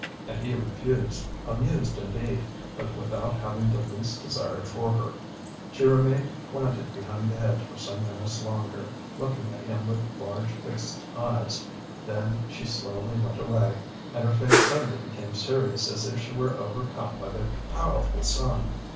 And he refused, amused indeed, but without having the least desire for her. She remained planted behind the hedge for some minutes longer, looking at him with large fixed eyes; then she slowly went away, and her face suddenly became serious as if she were overcome by the powerful sun.